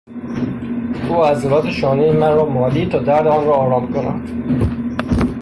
او عضلات شانهی مرا مالید تا درد آن را آرام کند.